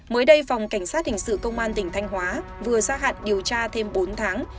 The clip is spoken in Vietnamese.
mới đây phòng cảnh sát hình sự công an tỉnh thanh hóa vừa ra hạn điều tra thêm bốn tháng